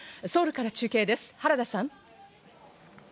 ソウルから中継です、原田さん。